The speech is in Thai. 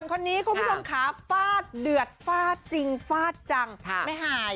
คนนี้คุณผู้ชมขาฟาดเดือดฟาดจริงฟาดจังไม่หาย